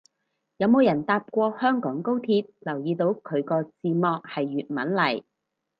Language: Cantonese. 有冇人搭過香港高鐵留意到佢個字幕係粵文嚟